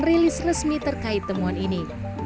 rilis resmi terkait temuan ini